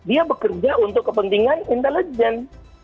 dia bekerja untuk kepentingan intelijen